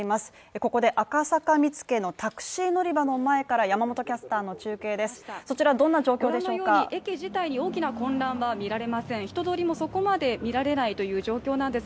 ここで赤坂見付のタクシー乗り場の前から山本キャスターの中継です。